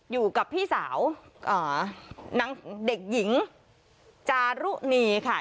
อยู่กับพี่สาวนางเด็กหญิงจารุณีค่ะ